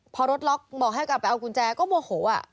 พอรถล็อกบอกให้กลับไปเอากุญแจก็โมโห